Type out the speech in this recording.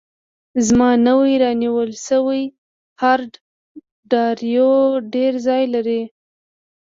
زما نوی رانیول شوی هارډ ډرایو ډېر ځای لري.